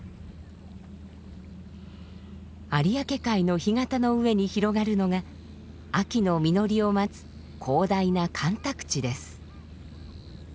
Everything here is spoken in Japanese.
有明海の干潟の上に広がるのが秋の実りを待つ広大な干拓地です。